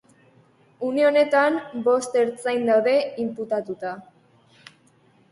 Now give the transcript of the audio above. Une honetan, bost ertzain daude inputatuta.